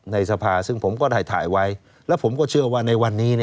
ในสภาซึ่งผมก็ได้ถ่ายไว้แล้วผมก็เชื่อว่าในวันนี้